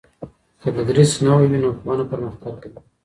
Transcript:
که تدریس نوی وي نو پوهنه پرمختګ کوي.